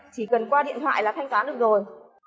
chỉ cần qua điện thoại là thanh toán được rồi